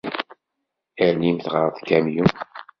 Alimt ɣer tkamyunt!